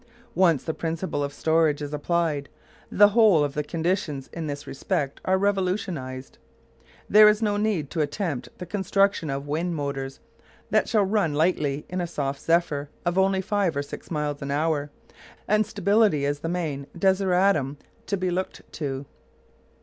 Once the principle of storage is applied, the whole of the conditions in this respect are revolutionised. There is no need to attempt the construction of wind motors that shall run lightly in a soft zephyr of only five or six miles an hour, and stability is the main desideratum to be looked to.